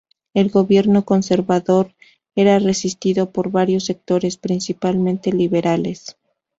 El gobierno Conservador era resistido por varios sectores, principalmente liberales.